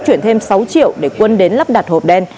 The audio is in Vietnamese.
chuyển thêm sáu triệu để quân đến lắp đặt hộp đen